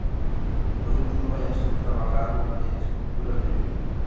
Los últimos años ha trabajado en esculturas de vidrio.